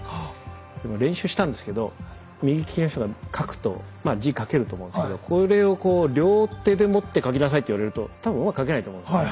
でも練習したんですけど右利きの人が書くとまあ字書けると思うんですけどこれをこう両手で持って書きなさいっていわれると多分うまく書けないと思うんですよね。